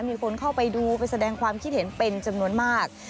มีคนเข้าไปดูไปแสดงความคิดเห็นเป็นจำนวนมาก